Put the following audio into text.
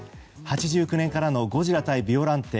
８９年からの「ゴジラＶＳビオランテ」